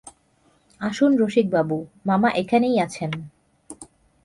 আসুন রসিকবাবু, মামা এইখানেই আছেন।